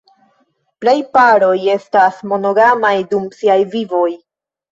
Plej paroj estas monogamaj dum siaj vivoj.